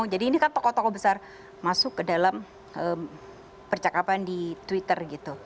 jadi ini kan tokoh tokoh besar masuk ke dalam percakapan di twitter gitu